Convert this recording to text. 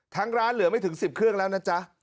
ร้านเหลือไม่ถึง๑๐เครื่องแล้วนะจ๊ะ